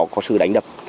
có sự đánh đập